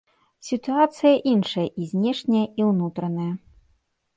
Сітуацыя іншая і знешняя, і ўнутраная.